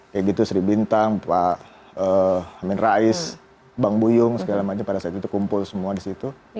kayak gitu sri bintang pak amin rais bang buyung segala macam pada saat itu kumpul semua di situ